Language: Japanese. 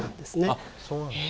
あそうなんだ。